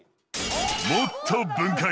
もっと分解！